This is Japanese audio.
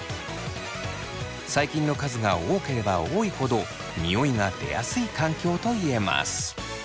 細菌の数が多ければ多いほどニオイが出やすい環境といえます。